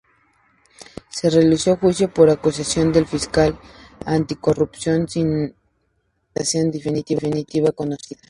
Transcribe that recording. Se realizó juicio por acusación del Fiscal anticorrupción, sin sentencia definitiva conocida.